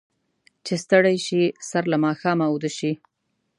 چې ستړي شي، سر له ماښامه اوده شي.